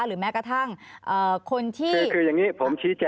หรือแม้กระทั่งคนที่